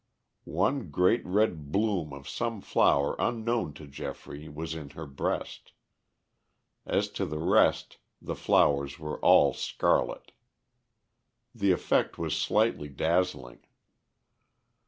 One great red bloom of some flower unknown to Geoffrey was in her breast. As to the rest, the flowers were all scarlet. The effect was slightly dazzling.